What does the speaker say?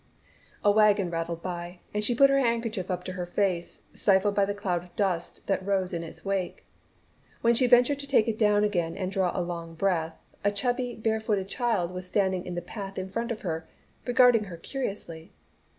A wagon rattled by, and she put her handkerchief up to her face, stifled by the cloud of dust that rose in its wake. When she ventured to take it down again and draw a long breath, a chubby, barefooted child was standing in the path in front of her, regarding her curiously.